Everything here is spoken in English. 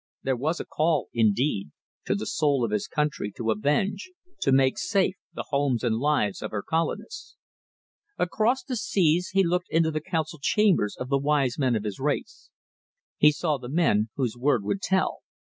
There was a call, indeed, to the soul of his country to avenge, to make safe, the homes and lives of her colonists. Across the seas he looked into the council chambers of the wise men of his race. He saw the men whose word would tell.